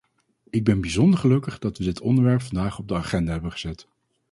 Ik ben bijzonder gelukkig dat we dit onderwerp vandaag op de agenda hebben gezet.